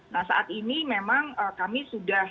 nah saat ini memang kami sudah diberikan informasi bahwa